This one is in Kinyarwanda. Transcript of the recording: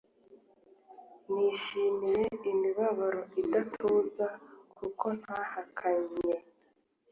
nishimiye imibabaro idatuza kuko ntahakanye